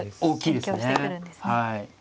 大きいですね。